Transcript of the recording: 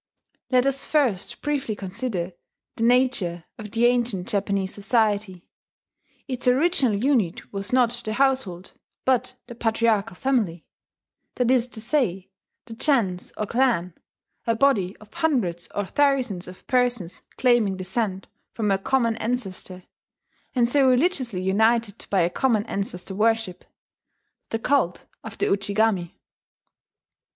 Let us first briefly consider the nature of the ancient Japanese society. Its original unit was not the household, but the patriarchal family, that is to say, the gens or clan, a body of hundreds or thousands of persons claiming descent from a common ancestor, and so religiously united by a common ancestor worship, the cult of the Ujigami.